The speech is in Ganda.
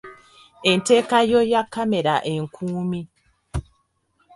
Enteekayo ya kkamera enkuumi.